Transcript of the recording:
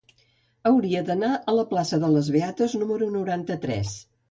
Hauria d'anar a la plaça de les Beates número noranta-tres.